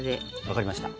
分かりました。